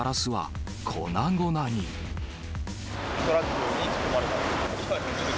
トラックに突っ込まれた。